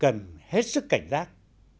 chúng ta cần hết sức cảnh giác